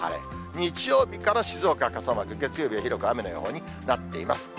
日曜日から静岡傘マーク、月曜日は広く雨の予報になっています。